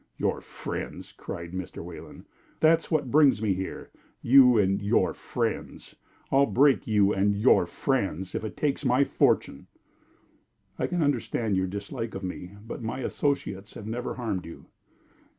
"Your friends!" cried Mr. Wayland. "That's what brings me here you and your friends! I'll break you and your friends, if it takes my fortune." "I can understand your dislike of me, but my associates have never harmed you."